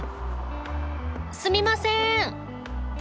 すみません！